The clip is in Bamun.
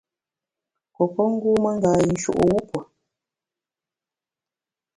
Pue pe ngûme ngâ-yinshu’ wupue.